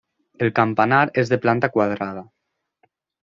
El campanar és de planta quadrada.